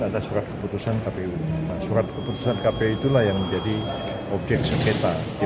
atas surat keputusan kpu surat keputusan kpu itulah yang menjadi objek sengketa